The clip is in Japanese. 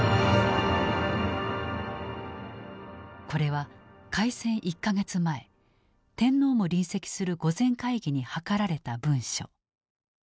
これは開戦１か月前天皇も臨席する御前会議に諮られた文書。